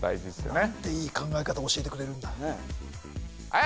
何ていい考え方教えてくれるんだねっ